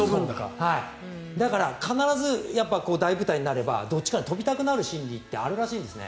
だから必ず大舞台になればどっちかに跳びたくなる心理ってあるらしいんですね。